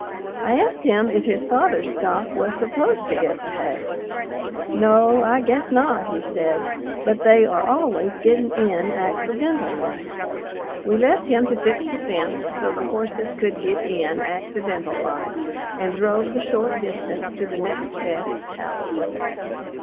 I asked him if his father's stock was supposed to get the hay. "No, I guess not," he said, "but they are always getting in accidental like." We left him to fix the fence so the horses could get in "accidental like," and drove the short distance to "the next best house."